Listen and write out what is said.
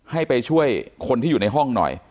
ให้ไปช่วยคนที่อยู่ในห้องหน่อย